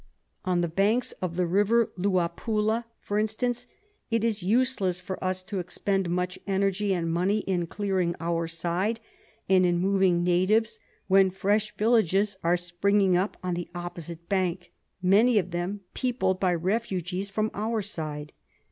On the banks of the Eiver Luapula, for instance, it is useless for us to expend much energy and money in clearing our side and in moving natives, when fresh villages are springing up on the opposite bank, many of them peopled by refugees from our side.